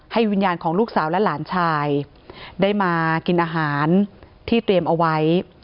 วิญญาณของลูกสาวและหลานชายได้มากินอาหารที่เตรียมเอาไว้